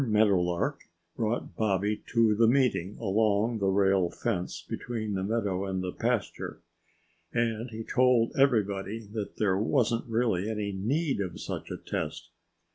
Meadowlark brought Bobby to the meeting, along the rail fence between the meadow and the pasture. And he told everybody that there wasn't really any need of such a test.